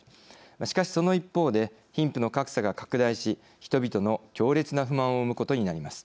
しかし、その一方で貧富の格差が拡大し人々の強烈な不満を生むことになります。